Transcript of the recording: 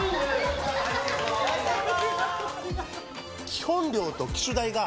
基本料と機種代が